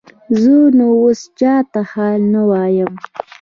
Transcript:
زه نو اوس چاته حال نه وایم.